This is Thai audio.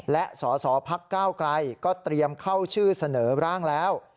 และสสพักก้าวไกลก็เตรียมเข้าชื่อเสนอร่างแล้ว